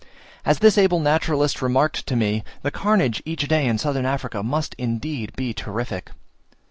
As this able naturalist remarked to me, the carnage each day in Southern Africa must indeed be terrific!